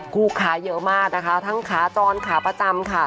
ลูกค้าเยอะมากนะคะทั้งขาจรขาประจำค่ะ